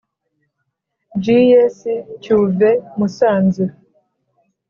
G S Cyuve Musanze